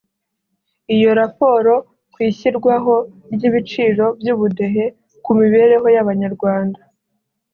Iyo raporo ku ishyirwaho ry’ibyiciro by’Ubudehe ku mibereho y’Abanyarwanda